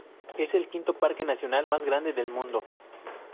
Es el quinto parque nacional más grande del mundo.